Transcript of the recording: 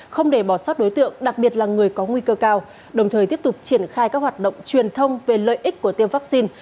không để bỏ sót đối tượng đặc biệt là người có nguy cơ cao đồng thời tiếp tục triển khai các hoạt động truyền thông về lợi ích của tiêm vaccine